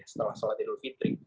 setelah sholat idul fitri